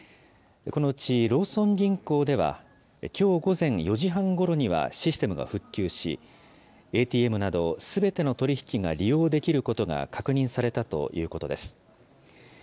このうちローソン銀行では、きょう午前４時半ごろにはシステムが復旧し、ＡＴＭなどすべての取り引きが利用できることが確認されたということです。